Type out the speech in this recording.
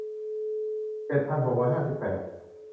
เจ็ดพันหกร้อยห้าสิบแปด